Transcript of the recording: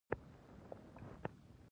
باد د خوځښت وسیله ده.